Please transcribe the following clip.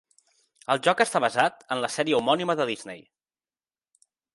El joc està basat en la sèrie homònima de Disney.